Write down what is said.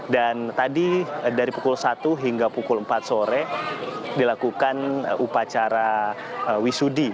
tadi dari pukul satu hingga pukul empat sore dilakukan upacara wisudi